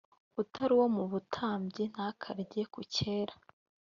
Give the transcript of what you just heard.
utari uwo mu batambyi ntakarye ku cyera